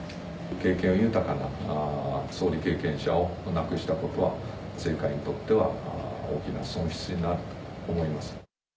経験豊かな総理経験者を亡くしたことは、政界にとっては大きな損失になると思います。